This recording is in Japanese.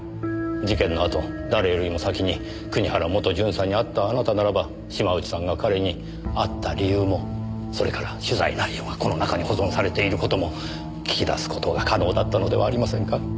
事件のあと誰よりも先に国原元巡査に会ったあなたならば島内さんが彼に会った理由もそれから取材内容がこの中に保存されている事も聞き出す事が可能だったのではありませんか？